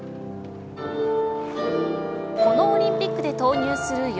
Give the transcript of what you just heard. このオリンピックで投入する